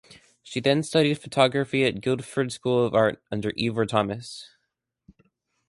She then studied photography at Guildford School of Art under Ifor Thomas.